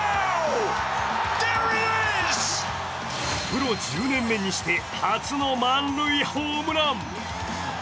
プロ１０年目にして初の満塁ホームラン。